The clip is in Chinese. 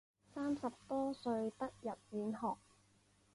三十多岁得入县学。